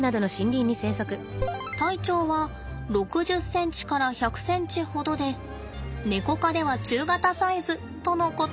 体長は６０ｃｍから１００ｃｍほどでネコ科では中型サイズとのこと。